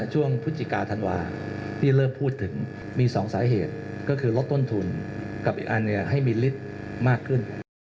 พฤศจิกาธันวาที่เริ่มพูดถึงมี๒สาเหตุก็คือลดต้นทุนกับอีกอันให้มีฤทธิ์มากขึ้น